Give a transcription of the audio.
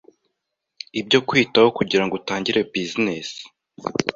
ibyo kwitaho kugirango utangire business.